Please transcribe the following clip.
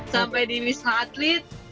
sampai di wisna atlet